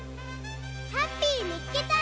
ハッピーみつけた！